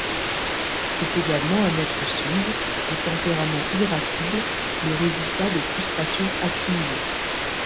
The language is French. C'est également un être sombre, au tempérament irascible, le résultat de frustrations accumulées.